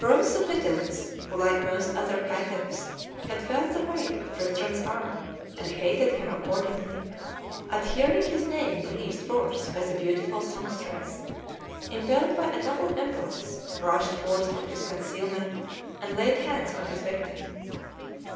Breuse the Pitiless, who like most other caitiffs had felt the weight of Tristram's arm, and hated him accordingly, at hearing his name breathed forth by the beautiful songstress, impelled by a double impulse, rushed forth from his concealment and laid hands on his victim.